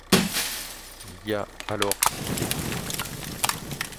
Il y a alors Cité.